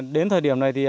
đến thời điểm này thì